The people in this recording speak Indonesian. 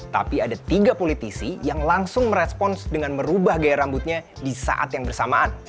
tapi ada tiga politisi yang langsung merespons dengan merubah gaya rambutnya di saat yang bersamaan